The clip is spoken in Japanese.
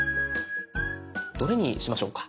どれにしましょうか？